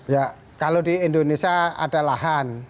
ya kalau di indonesia ada lahan